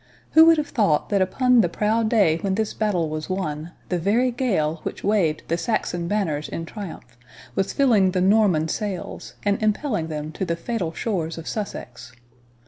Who would have thought that upon the proud day when this battle was won, the very gale which waved the Saxon banners in triumph, was filling the Norman sails, and impelling them to the fatal shores of Sussex?